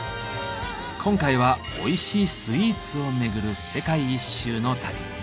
今回はおいしいスイーツを巡る世界一周の旅。